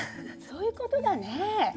そういうことだねえ。